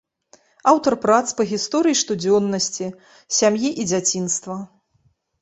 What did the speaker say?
Аўтар прац па гісторыі штодзённасці, сям'і і дзяцінства.